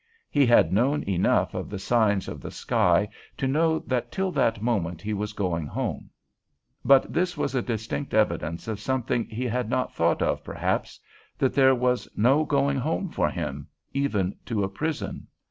He had known enough of the signs of the sky to know that till that moment he was going "home." But this was a distinct evidence of something he had not thought of, perhaps, that there was no going home for him, even to a prison.